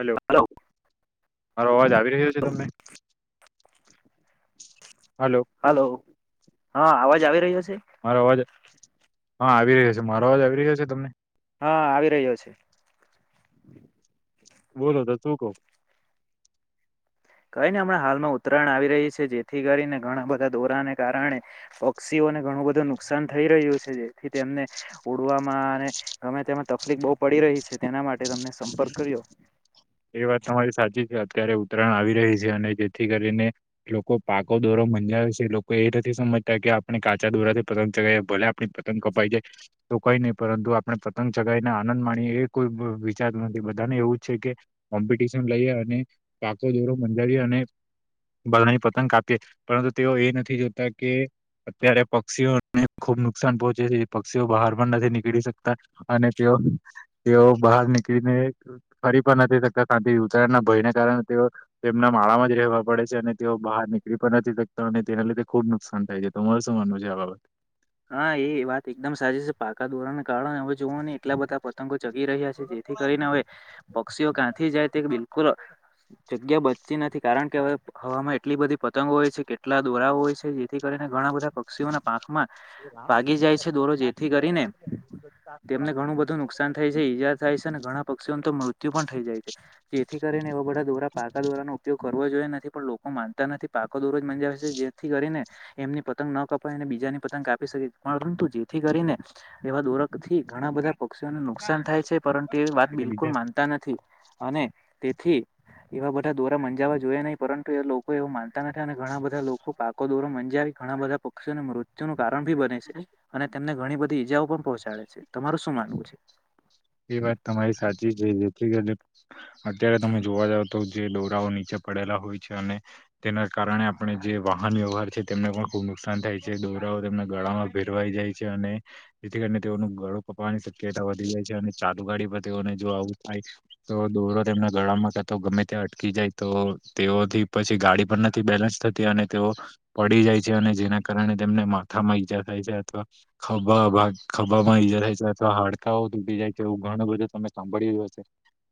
Hello મારો અવાજ આવી રહ્યો છે? તમને હલો હા અવાજ આવી રહ્યો છે. મારો અવાજ હા આવી રહ્યો છે? મારો અવાજ આવી રહ્યો છે? તમને હા, આવી રહ્યો છે બોલો તો તું કવ કઈને હમણાં હાલમાં ઉત્તરાયણ આવી રહી છે, જેથી કરીને ઘણા બધા દોરાને કારણે પક્ષીઓને ઘણું બધું નુકસાન થઈ રહ્યું છે, જેથી તેમને ઉડવામાં અને ગમે તેમાં તકલીફ બહુ પડી રહી તેના માટે તમને સંપર્ક કર્યો એ વાત તમારી સાચી છે, અત્યારે ઉત્તરાયણ આવી રહી છે, અને જેથી કરીને લોકો પાકો દોરો મંજ આવેે છે, લોકો એ નથી સમજતા કે આપણે કાચા દોરાથી પતંગ ચગાવ ભલે આપણી પતંગ કપાઈ જાય તો કઈ નહી પરંતુ આપણે પતંગ ચગાવીને આનંદ માણીએ એ કોઈ વિચારું નથી બધાને એવું છે, કે કોમ્પિટિશન લઈ, અને પાકો દોરો મંજાવી અને બધાની પતંગ કાપી પરંતુ, તેઓ એ નથી જોતા કે અત્યારે પક્ષીઓને ખુબ નુકસાન પહોંચે છે, પક્ષીઓ બહાર પણ નથી નીકળી શકતા અને તેઓ તેઓ બહાર નીકળીને ફરી પણ નથી ને ઉતરાણના ભયને કારણે, તેઓ તેમના માળામાં જ રહેવા પડે છે, અને તેઓ બહાર નીકળી પણ નથી. અને તેના લીે ખુબ નુકસાન થાય છે, તમારે શું માનવું છે આ બાબત હા કારણ હવે જોવું ને એટલા બધા પતંગો જગી રહ્યા છે, જેથી કરીને હવે પક્ષીઓ કાંથી જાય તે બિલકુલ જગ્યા બચતી નથી, કારણ કે હવે હવામાં એટલી બધી પતંગો હોય છે, કેટલા દોરા હોય છે, જેથી કરીને ઘણા બધા પક્ષીઓના પાંખમાં ભાગી જાય છે દોરો જેથી કરીને તેમને ઘણું બધું નુકસાન થાય છે ઈજા થાય અને ઘણા પક્ષીઓ તો મૃત્યુ પણ થઈ જાય છે, જેથી કરીને એવા બધા દોરા પાકા દોરાનો ઉપયોગ કરો જોઈએ નથી પણ લોકો માનતા નથી પાકો દોરજ મંજ છે, જેથી કરીને એમની પતંગ ન કપાય અને બીજાની પતંગ આપી શકે પરંતુ જેથી કરીને એવા દોર થી ઘણા બધા પક્ષીઓને નુકસાન થાય છે, પરંતુ એ વાત તો બિલકુલ બીજા માનતા નથી અને થી. એવા બધા દોરા મંજાવવા જોઈ નહીિ પરંતુ, એ લોકો એવું માનતા નથી અને, ઘણા બધા લોકો પાકો દોરો મં ઘણા બધા પક્ષીને મૃત્યુ નું કારણ ભી બને છે, અને તેમને ઘણી બધી ઈજાઓ પણ પહોચાડે છે, તમારું શું માનવું છે. એ વાત તમારી સાચી રઈ ર અત્યારે તમે જોવા જાવ તો જે દોરાઓ નીચે પડેલા હોય છે અને તેના કારણે આપણે જે વાહન વ્યવહાર છે. તેમને પણ ખૂબ નુકસાન થાય છે દોરાઓ તેમના ગાળામાં ભેરવાઈ જાય છે. જેથી કરીને તેઓનું ગળો પપવાની શક્યતા વધી જાય છે, અને ચાલુ ગાડી પર તેઓને જો આવું થાય તો દોરો તેમને ગળમાં ક તો ગમે ત્યાં અટકી જાય તો તેઓથી પછી ગાડી પણ નથી બેલેન્સ થતી અને તેઓ પડી જાય છે, અને જેના કારણે તેમને માથા માં ઈજા થાય છે અથવા ખભા ખભા માં ઈજા થાય છે, અથવા હાડકાઓ તૂટી જાય છે. તો એવું ઘણું બધું, તમે સાંભળી જ હશે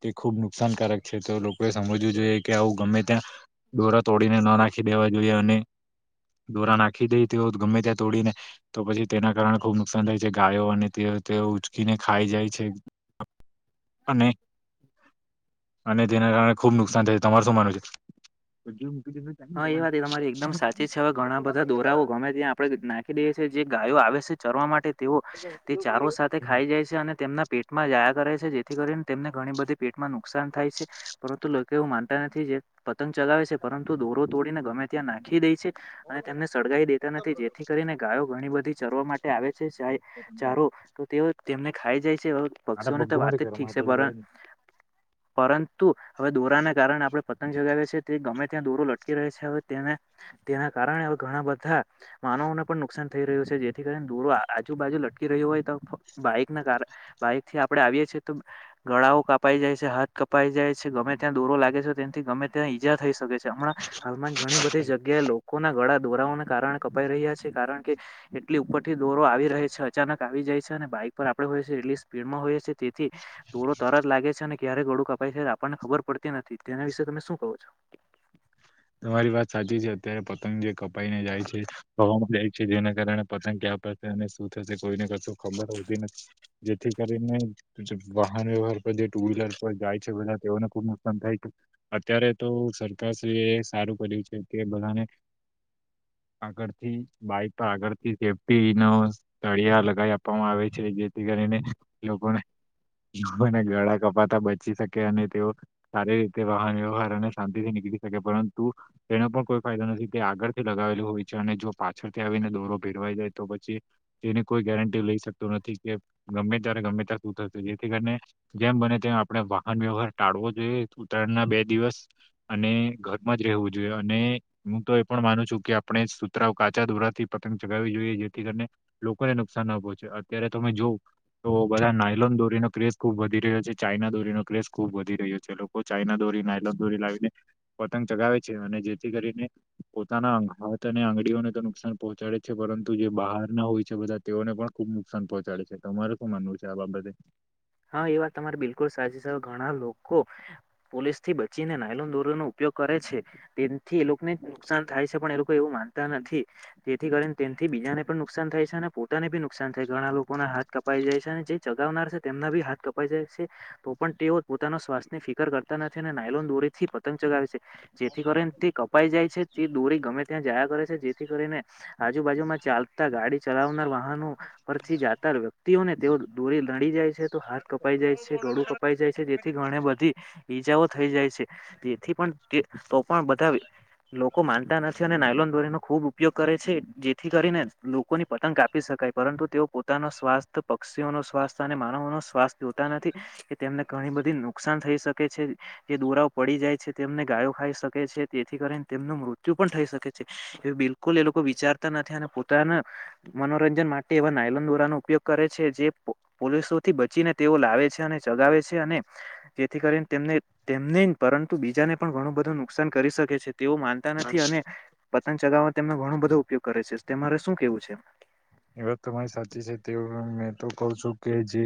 તે ખુબ નુકસાનકારક છે તો લોકોએ સમજવું જોઈએ, કે આવું ગમે ત્યાં ડોરા તોડીને ના નાખી વા જોઈએ અને દોરા નાખી દે તેઓ ગમે ત્યાં તોડીને તો પછી તેના કારણે ખુબ નુકસાન થાય છે ગાયો અને તે તે ઉચકીને ખાઈ જાય છે, અને અને, તેના કારણે ખુબ નુકસાન થાય છે તમાર શું માનું છે. હા એ વાત એ તમારી એકદમ સાચી છે હવે ઘણા બધા દોરાઓ ગમે ત્યાં આપણે નાખી દઈએ છીએ જે ગાયો આવે છે. ચરવા માટે તેઓ તે ચારો સાથે ખાઈ જાય છે, અને તેમના પેટમાં જાયા કરે છે. થી કરીને તેમને ઘણી બધી પેટમાં નુકસાન થાય છે, પરંતુ લોકો એવું માનતા નથી પતંગ ચલાવે છે, પરંતુ દોરો તોડીને ગમે ત્યાં નાખી દે છે. અને, તેમને સળગી દેતા નથી જેથી કરીને ગાયો ઘણી બધી ચરવા માટે આવે છે. ચારો તો તેઓ તેમને પક્ષીઓની તો વાત જ ઠીક છે, પણ પરંતુ હવે, દોરાના કારણે આપડણે પતંગ ચગાવીએ છીએ, તે ગમે ત્યાં દૂરો લટકી રહે છે, તેને તેના કારણે હવે ઘણા બધા માનવને પણ નુકસાન થઈ રહ્યું છે. જેથી કરીને દૂર આજુબાજુ લટકી રહ્યું હોય, તો બાઈક ના કાર બાઈકથી આપડણે આવીએ છીએ, તો ગળાઓ કાપાઈ જાય છે, હાથ કપાઈ જાય છે ગમે ત્યાં દૂરો લાગે છે, તથી ગમે ત્યાં ઈજા થઈ શકે છે, હમણાં હાલમાં ઘણી બધી જગ્યાએ લોકો ના ગળા દોરાને કારણ કપાઈ રહ્યા છે, કારણ કે એટલી ઉપરથી દોરો આવી ર છે, અચાનક આવી જાય છે અને બા પર આપણે હોઈએીએ એટલી સ્પીડમાં હોઈ છીએ તેથી દોડો તરત લાગે છે, અને ક્યારે ગળું કપાય છે, આપણને ખબર પડતી નથી, તેના વિશે તમે શું કહો છો? તમારી વાત સાચી છે, અત્યારે પતંગ જે કપાઈને જાય છેવામાં જાય છે, જેના કારણે પતંગ ક્યા શુ થશે કોઈને કશ ખબર હોતી નથી, જેથી કરીને વાહન વ્યવહાર જે ટુ વ્હીલર પર જાય છે, પે તેઓને ખુબ નુકસાન થાય છે, અત્યારે તો સરકારશ્રી એ સારું કર્યું છે, કે બધાને આગળથી બાઈક પર આગળથી સેફ્ટી ન સળિયા લગાવી આપવામાં આવે છે, જેથી કરી લોકોને ને ગળા કપાતા બચી શકે અને તેઓ સારી રીતે વાહન વ્યવહાર અને શાંતિ થી નીકળ થ પરં એનો પણ કોઈ ફાયદો નથી તે આગળથી લગાવેલું હોય છે, અને જો પાછળથી આવીને દોરો ભેરવાઈ જાય તો તેની કોઈ ગેરંટી લઈ શકતું નથી, કે ગમે ત્યારે ગમે ત શું થશે જેથી કરીને જેમ બને તેમ આપણે વાહન વ્યવહાર ટાળવો જોઈએ, ઉતરાયણના બે દિવસ અને જ રહેવું જોઈએ અને હું, તો એ પણ માનું છુ, કે આપણે સૂતરા કાચા દોરાથી પતંગ ચગાવવી જોઈએ જેથી, કરીને લોકોને નુકસાન ના પહોંચે અત્યારે તમે જો તો બધા નાઇલોન દોરીનો ક્રેઝ ખુબ વધી રહ્યો છે, ચાાઈના દોરીનો ક્રેઝ ખુબ વધી રહ્યો છે, લોકો ચાાઈના દોરી દોરી, ના દોરી લાવી લ પતંગ ચગાવે છે, અને જેથી કરીને પોતાના હાથ અને આંગીઓને તો નુકસાન પહોંચાડે છે, પરંતુ પરંતુ જે બહાર ના હોય છે, બધા તેઓને પણ ખુબ નુકસાન પહોંચાડે છે, તમારે શું માનવું છે આ બાબતે હા, એ વાત તમારી બિલકુલ સાચી છે, ઘણા લોકો પોલીસથી બચીને નાયલો દોરોનો ઉપયોગ કરે છે, તેથી એ લોકોને નુકસાન થાય છે, પણ એ લોકો એવું માનતા નથી. તેથી કરીનેથી બીજાને પણ નુકસાન થાય છે, અને પોતાને બી નુકસાન થાય ઘણા લોકોના હાથ કપાઈ જાય છે, અને જે ચગાવનાર છે. તેમના બી હાથ કપાઈ જાય છે, તો પણ તેઓ પોતાના શ્વાસથની ફિકર કરતા નથી અને નાઇલોન દોરી થી પતંગ ચગાવે છે. જેથી કરીને તે કપાઈ જાય છે, તે દોરી ગમે ત્યાં જાયા કરે છે, જેથી કરીને આજુબાજુમા ચાલતા ગાડી ચલાવનાર વાહનો પરથી જાતા વ્યક્તિઓને તેઓ દોરી લડી જાય છે. તો હાથ કપાઈ જાય છે, ગળું કપાઈ જાય છે, જેથી ઘણી બધી ઈજાઓ થઈ જાય છે, તેથી પણ તો પણ બધા લોકો માનતા નથી અને નાયલોન દોરીનો ખૂબ ઉપયોગ કરે છે, જેથી કરીને લોકોની પતંગ આપપી શકાય પરંતુ તેઓ પોતાનો સ્વાસ્થ્ય પક્ષીઓ ન સ્વાસ્થ્ય અને માનવનો શ્વાસ જોતા નથી, કે તેમને ઘણી બધી નુકસાન થઈ શકે જે દોરાઓ પડી જાય છે, તેમને ગાયો ખાઈ શકે છે તેથી કરીને તેમનું મૃત્યુ પણ થઈ શકે છે. બિલકુલ એ લોકો વિચારતા નથી, અને પોતાના મનોરંજન માટે એવા નાયલન દોરાનો ઉપયોગ કરે છે, જે પોલીસો થી બચીને તેઓ લાવે છે, અને ચગાવે છે, અને જેથી કરીને તેમને તેમને પરંતુ બીજા ને પણ ઘણું બધું નુકસાન કરી શકે છે. તેઓ માનતા નથી. અને પતંગ ચગાવવામાં તેમનો ઘણો બધો ઉપયોગ કરે છે, તે મારે શું કેવું છે. એ વાત તમારી સાચી છે, તે મેં તો કહ છું કે જે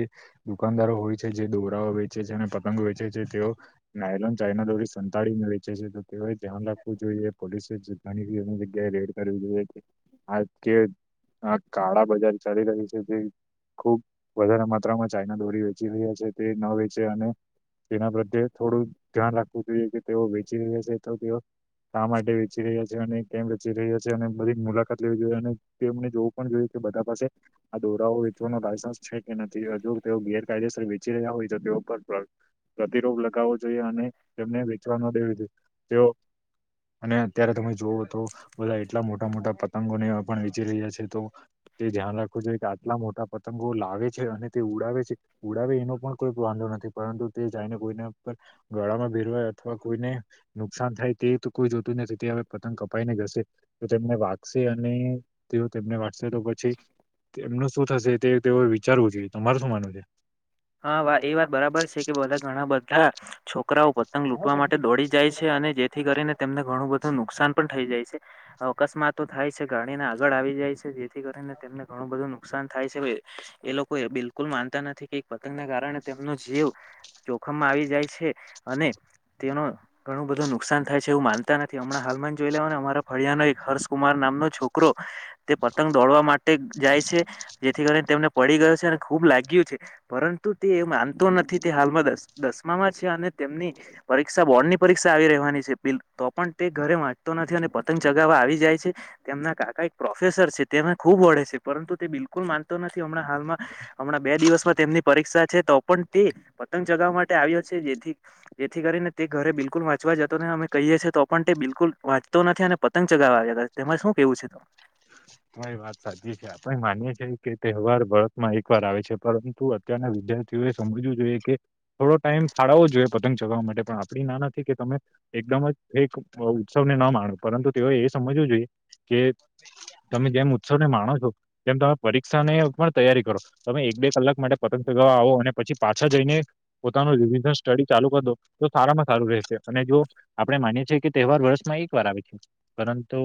દુકાનદારો હોય છે, જે દોરા વેચે છે, અને પતંગ વેચે છે, તેઓ નાયલોન ચાઈના દોડી સંતાળીને વેચે છે, તો તેઓ ધ્યાન જોઈએ પોલીસે ઘણી જગ્યાએ, રેડ કરવી જોઈએ આ કે આ કાળા બજાર ચાલી રહી છે, જે ખુબ વધારે માત્રામાં ચાઈના દોરી વેચી રહ્યા છે. તે નવે છે, અને તેના પ્રત્યે થોડું ધ્યાન રાખવું જોઈએ, કે તેઓ વેચી રહ્યા છે, તો તેઓ કા માટે વેચી રહ્યા છે, અને કેમ વેચી રહ્યા છે, અને બધી જ મુલાકાત લેવી જોઈએ, અનેમને જો પણ જોયું કે બધા પાસે આ દોરાઓ વેચવાનો લાયન્સ છે કે નથી હજુ તેઓ ગેરકાયદેસર વે ચી રહ્યા હોય તો તેઓ પર પ્રતિરોપ લગાવવો જોઈએ અને તેમને વેચવા ન દેવી જોઈએ. તેઓ અને અત્યારે તમે જોવો તો બધા એટલા મોટા મોટા પતંગોને પણ વેચી રહ્યા છે તો તે ધ્યાન રાખવું જો કે આટલા મોટા પતંગો લાવે છે અને તે ઉડાવે છે ઉડાવે એનો પણ કોઈ વાંધો નથી. પરંતુ તે જઈને કોઈને ગાળામાં ભેરવાય અથવા કોઈને નુકસાન થાય તે તો કોઈ જોતું નથી તે હવે પતંગ કપાઈને જશે તો તેમને વાગશે અને તેઓ શે તો પછી તેમનું શું થશે તે તેઓ વિચારવું જોઈએ. તમાર શું માનવું છે? હા, વા એ વાત બરાબર છે કે બધા ઘણા બધા છોક રાઓ પતંગ લૂંટવા માટે દોડી જાય છે અને જેથી કરીને તેમને ઘણું બધું નુકસાન પણ થઇ જાય છે. અકસ્માતો થાય છે, ગાડીને આગળ આવી જાય છે. જેથી કરીને તેમને ઘણું બધું નુકસાન થાય છે. એ લોકો એ બિલકુલ માનતા નથી કે પતંગના કારણે તેમનો જીવ જોખમમાં આવી જાય છે અને તેનો ઘણું બધું નુકસાન થાય છે એવું માનતા નથી. હમણાં હાલમાં જ જોઈ લેવાને અમારા ફળિયાના એક હર્ષકુમાર ના મનો છોકરો તે પતંગ દોડવા માટે જાય છે. જેથી કરીન તેમને પડી ગયો છે અને ખૂબ લાગ્યું છે. પરંતુ તે એ માનતો નથી. તે હાલમાં દસ-દસમામાં છે અને તેમની પરીક્ષા બોર્ડની પરીક્ષા આવી રેહવાની છે. તો પણ તે ઘરે વાંચતો નથી અને પતંગ ચગાવવા આવી જાય છે. તેમના કાકા એક પ્રો પ્રોફેસર છે. તેને ખુબ વઢે છે. પરંતુ તે બિલકુલ માનતો નથી. હમણાં હાલમાં હમણાં બે દિવસમાં તેમની પરીક્ષા છે તો પણ તે પતંગ ચગાવવા માટે આવ્યો છે. જેથી જેથી કરીને તે ઘરે બિલકુલ વાંચ વા જતો નઈ. અમે કહીએ છીએ તો પણ તે બિલકુલ વાંચતો નથી અને પતંગ ચગાવવાતા આવ્યા કરે. તેમાં શું કેવું છે? હા એ વાત સાચી છે. આપણે માનીએ છીએ કે તહેવાર વરષમાં એક વાર આવે છે પરંતુ અત્યારના વિદ્યાર્થીઓએ સમજવું જોઈએ કે થોડો ટાઈમ ફાળવો જોઈએ પતંગ ચગાવવા માટે પણ આપડી ના નથી કે તમે એકદમ જ એક ઉત્સવને ન માણો. પરંતુ તેઓએ એ સમજવું જોઈએ કે તમે જેમ ઉત્સવને માણો છો તેમ તમે પરીક્ષાને પણ તૈયારી કરો. તમે એક બે કલાક માટે પતંગ ચગાવવા આવો અને પછી પાછા જઈને પોતાનું વિવિધ સ્ટડી ચાલુ કર દો તો સારામાં સારું રહેશે અને જો આપડે માનીએ છીએ કે તહેવાર વર્ષમાં એક વાર આવે છે પરંતુ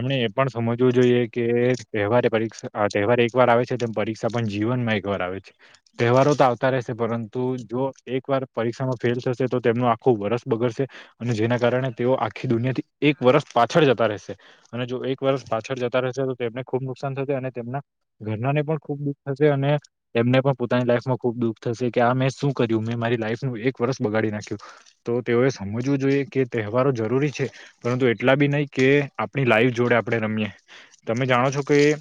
એમને એ પણ સમજવું જોઈએ કે તહેવારે પરીક્ષા અ તહેવાર એક વાર આવે છે તેમ પરીક્ષા પણ જીવનમાં એક વાર આવે છે. તહેવારો તો આવતા રહેશે પરંતુ જો એક વાર પરીક્ષામાં ફેલ થશે તો તેમનું આખું વરષ બગડશે. જેના કારણે તેઓ આખી દુનિયાથી એક વર્ષ પાછળ જતા રહેશે અને જો એક વર્ષ પાછળ જતા રહેશે તો તેમને ખુબ નુકસાન થશે અને તેમના ઘરનાને પણ ખુબ દુઃખ થશે અને એમને પણ પોતાની લાઈફમાં ખુબ દુઃખ થશે કે આ મેં શું કર્યું, મેં મારી લાઈફનું એક વર્ષ બગાડી નાખ્યું તો તેઓએ સમજવું જોઈએ કે તહેવારો જરૂરી છે પરંતુ એટલા બી નહીં કે આપણી લાઈવ જોડે આપણે રમીએ. તમે જાણો છો કે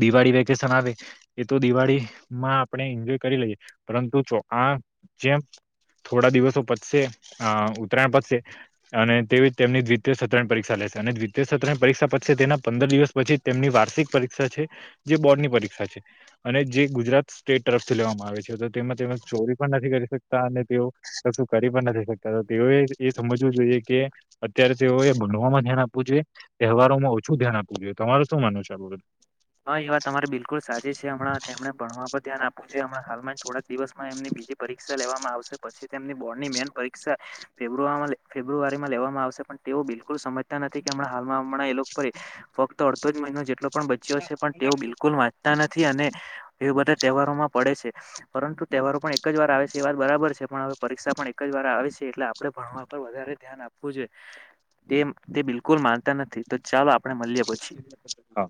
દિવાળી વેકેશન આવે એ તો દિવાળીમાં આપણે એન્જોય કરી લઈએ પરંતુ હા, કેમ? થોડા દિવસો પચશે અઅ ઉત્તરાયણ પચશે અને તેવી તેમની દ્વિતીય સત્રણ પરીક્ષા લે અને દ્વિતય સત્ર પરીક્ષા પતશે તેના પંદર દિવસ પછી તેમની વાર્ષિક પરીક્ષા છે. જે બોર્ડ ની પરીક્ષા છે અને જે ગુજરાત સ્ટેટ તરફથી લેવામાં આવે છે. તો તેમાં તેમાં ચોરી પણ નથી કરી શકતા અને તેઓ કશું કરી પણ નથી શકતા. તો તેઓએ એ સમજવું જોઈએ કે અત્યારે તેઓએ ભણવામાં ધ્યાન આપવું જોઈએ. તહેવારોમાં ઓછું ધ્યાન આપવું જોઈએ. તમારે શું માનવું છે આ બાબતે? હા એ વાત તમારી બિલકુલ જે હમણાં હાલમાં થોડા દિવસમાં એમની બીજી પરીક્ષા લેવામાં આવ શે પછી તેમની બોર્ડની મેન પરીક્ષા ફેબ્રુઆરીમાં લેવ-લેવામાં આવશે પણ તેઓ બિલકુલ સમ જતા નથી કે હમણાં હાલમાં હમણાં એ લોકો પર ફક્ત અડધો જ મહિનો જેટલો પણ ચ્યો છે પણ તેઓ બિલકુલ વાંચતા નથી અને એ બધા તહેવારોમાં પડે છે. પરંતુ તહેવારો પણ એક જ વાર આવે છે એ વાત બરાબર છે પણ હવે પરીક્ષા પણ એક જ વાર આવે છે. એટલે આપડે ભણવા પર વધારે ધ્યાન આપવું જોઈએ. તેમ તે બિલકુલ માનતા નથી તો ચાલો આપણે મલીએ પછી. હા